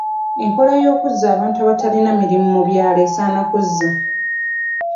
Enkola y'okuzza abantu abatalina mirimu mu byalo esaana kuzza.